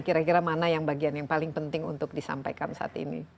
kira kira mana yang bagian yang paling penting untuk disampaikan saat ini